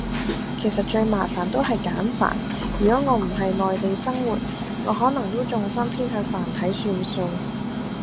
其實最麻煩都係簡繁，如果我唔係内地生活，我可能都重心偏向繁體算數